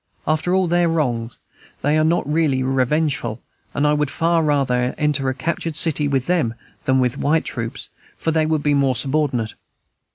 After all their wrongs, they are not really revengeful; and I would far rather enter a captured city with them than with white troops, for they would be more subordinate.